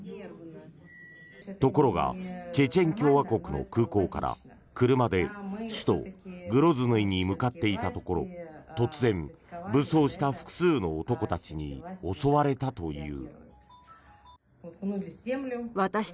ところがチェチェン共和国の空港から車で首都グロズヌイに向かっていたところ突然、武装した複数の男たちに襲われたという。